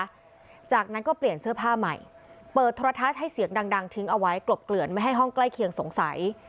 หลังจากนั้นก็เปลี่ยนเสื้อผ้าใหม่เปิดโทรทัศน์ให้เสียงดังดังทิ้งเอาไว้กลบเกลื่อนไม่ให้ห้องใกล้เคียงสงสัย